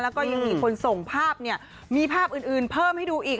แล้วก็ยังมีคนส่งภาพเนี่ยมีภาพอื่นเพิ่มให้ดูอีก